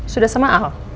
sudah sama al